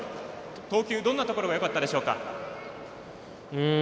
投球、どんなところがよかったでしょうか？